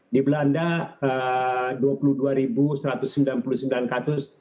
di belanda dua puluh dua satu ratus sembilan puluh sembilan kasus